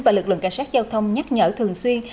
và lực lượng cảnh sát giao thông nhắc nhở thường xuyên